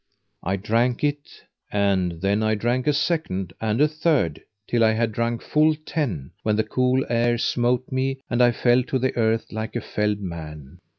I drank it, and then I drank a second and a third, till I had drunk full ten, when the cool air smote me and I fell to the earth like a felled man.